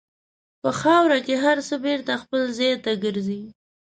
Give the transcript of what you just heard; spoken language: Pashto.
په خاوره کې هر څه بېرته خپل ځای ته ګرځي.